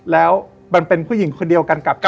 แล้วมันเป็นผู้หญิงคนเดียวกันกับ